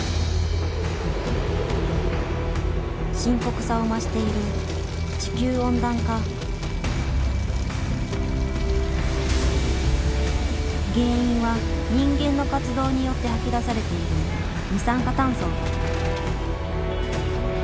深刻さを増している原因は人間の活動によって吐き出されている二酸化炭素。